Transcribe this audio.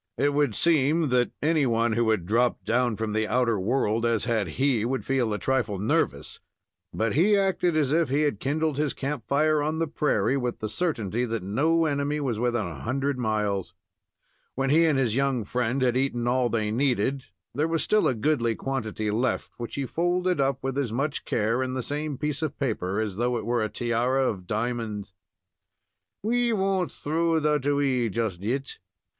It would seem that any one who had dropped down from the outer world as had he, would feel a trifle nervous; but he acted as if he had kindled his camp fire on the prairie, with the certainty that no enemy was within a hundred miles. When he and his young friend had eaten all they needed, there was still a goodly quantity left, which he folded up with as much care in the same piece of paper as though it were a tiara of diamonds. "We won't throw that away just yet.